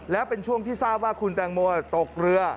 และเป็นช่วงที่ทราบว่าคุณแตงโมตกเรือ